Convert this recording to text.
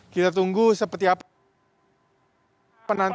kita tunggu seperti apa